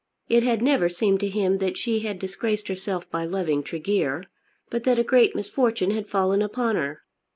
It had never seemed to him that she had disgraced herself by loving Tregear but that a great misfortune had fallen upon her.